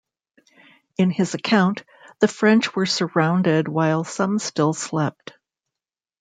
In his account, the French were surrounded while some still slept.